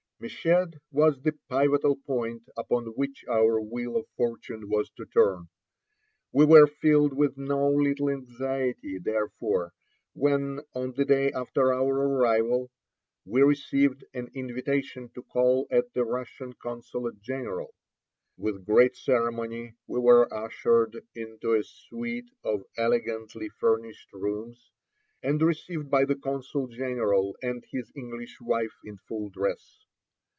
Meshed was the pivotal point upon which our wheel of fortune was to turn. We were filled with no little anxiety, therefore, when, on the day after our arrival, we received an invitation to call at the Russian consulate general. With great ceremony we were ushered into a suite of elegantly furnished rooms, and received by the consul general and his English wife in full dress.